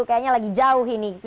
kayaknya lagi jauh ini